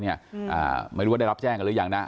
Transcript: ไม่รู้ว่าได้รับแจ้งหรือยังนะ